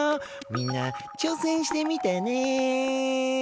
みんなちょうせんしてみてね。